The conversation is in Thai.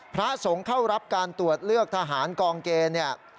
พระสงฆ์เข้ารับการตรวจเลือกทหารกองเกณฑ์เนี่ย